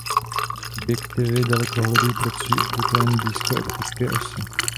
Objektivy dalekohledů pracují obvykle jen blízko optické osy.